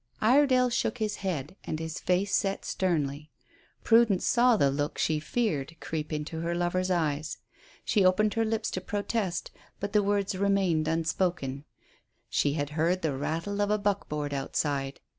Iredale shook his head and his face set sternly. Prudence saw the look she feared creep into her lover's eyes. She opened her lips to protest, but the words remained unspoken. She had heard the rattle of a buckboard outside.